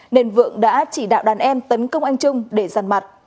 nên vượng đã chỉ đạo đàn em tấn công anh trung để giàn mặt